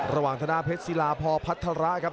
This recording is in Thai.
ระหว่างท่านเพชรศีลาพอพัดทราครับ